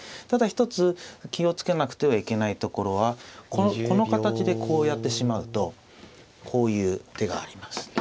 ただ一つ気を付けなくてはいけないところはこの形でこうやってしまうとこういう手があります。